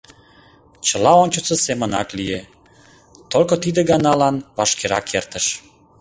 Чыла ончычсо семынак лие, только тиде ганалан вашкерак эртыш.